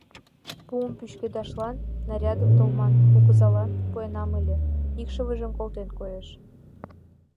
Пуым пӱчкедашлан нарядым Талман кугызалан пуэнам ыле, икшывыжым колтен, коеш.